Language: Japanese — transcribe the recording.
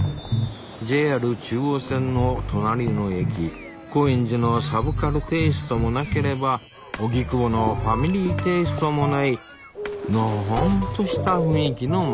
ＪＲ中央線の隣の駅高円寺のサブカルテイストもなければ荻窪のファミリーテイストもないのほほんとした雰囲気の町。